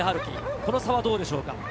この差はどうでしょうか？